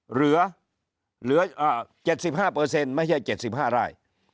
เหลือ๗๕ไม่ใช่๗๕ไร่